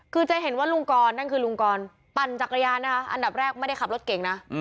คือจะเห็นว่าลุงกรนั่นคือลุงกรปั่นจักรยานนะคะอันดับแรกไม่ได้ขับรถเก่งนะ